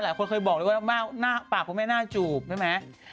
หลายคนเคยบอกว่าปากของแม่หน้าจูบไหม